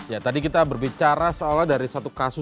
ya bisa aja